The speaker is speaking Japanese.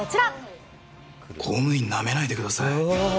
公務員なめないでください。